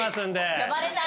呼ばれたい。